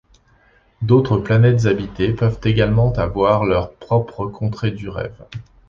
D'autres planètes habitées peuvent également avoir leurs propres contrées du Rêve.